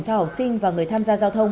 cho học sinh và người tham gia giao thông